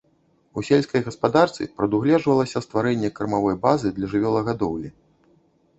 У сельскай гаспадарцы прадугледжвалася стварэнне кармавой базы для жывёлагадоўлі.